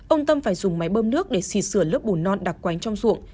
ông tâm phải dùng máy bơm nước để xì sửa lớp bùn non đặc quánh trong ruộng